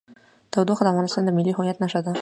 تودوخه د افغانستان د ملي هویت نښه ده.